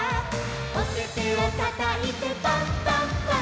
「おててをたたいてパンパンパン！！」